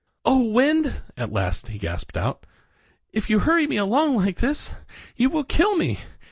"Oh, wind I" at last he gasped out, "if you hurry me along like this you will kill me.